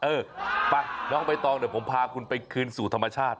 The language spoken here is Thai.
เออไปน้องใบตองเดี๋ยวผมพาคุณไปคืนสู่ธรรมชาติ